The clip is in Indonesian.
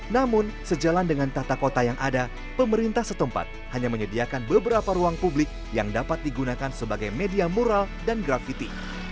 namun sejalan dengan tata kota yang ada pemerintah setempat hanya menyediakan beberapa ruang publik yang dapat digunakan sebagai media mural dan grafiti